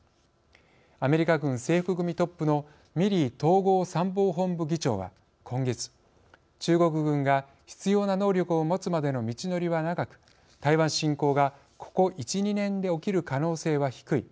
アメリカ軍制服組トップのミリー統合参謀本部議長は今月「中国軍が必要な能力を持つまでの道のりは長く台湾侵攻がここ１、２年で起きる可能性は低い。